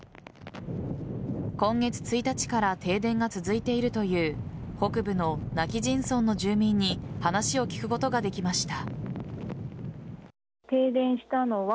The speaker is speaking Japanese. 今月１日から停電が続いているという北部の今帰仁村の住民に話を聞くことができました。